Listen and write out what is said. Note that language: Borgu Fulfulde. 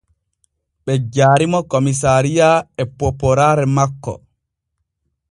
Ɓe jaari mo komisariya e poopooraare makko.